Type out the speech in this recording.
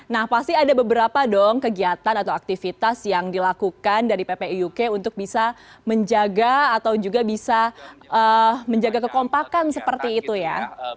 nah pasti ada beberapa dong kegiatan atau aktivitas yang dilakukan dari ppi uk untuk bisa menjaga atau juga bisa menjaga kekompakan seperti itu ya